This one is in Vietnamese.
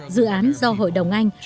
dự án do hội đồng anh